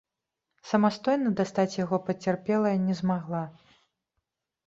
Самастойна дастаць яго пацярпелая не змагла.